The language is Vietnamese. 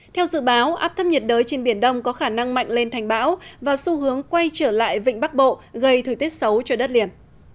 theo dự báo áp thấp nhiệt đới trên biển đông có khả năng mạnh lên thành bão và xu hướng quay trở lại vịnh bắc bộ gây thời tiết xấu cho đất liền